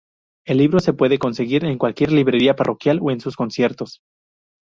El libro se puede conseguir en cualquier librería parroquial o en sus conciertos.